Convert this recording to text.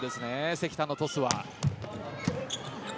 関田のトスは。